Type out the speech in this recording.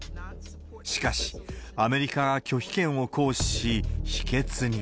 しかし、アメリカが拒否権を行使し、否決に。